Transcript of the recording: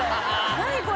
何これ！？